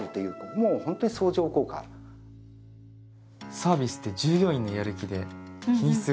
サービスって従業員のやる気で品質が変わるんだね。